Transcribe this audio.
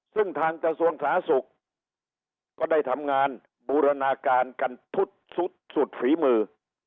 ซึ่งทางกระทรวงสาธารณสุขก็ได้ทำงานบูรณาการกันสุดฝีมือ